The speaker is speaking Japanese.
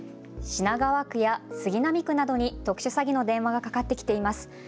品川区や杉並区などに特殊詐欺の電話がかかってきています。